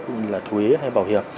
cũng như là thuế hay bảo hiểm